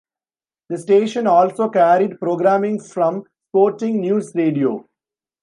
The station also carried programming from Sporting News Radio.